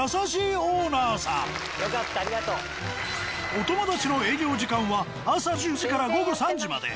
「おともだち」の営業時間は朝１０時午後３時まで。